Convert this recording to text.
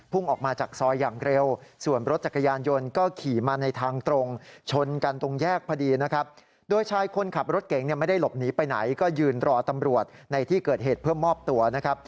พุ่งออกมาจากซอยอย่างเร็ว